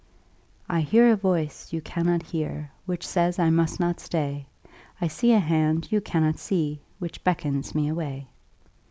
'I hear a voice you cannot hear, Which says I must not stay; I see a hand you cannot see, Which beckons me away.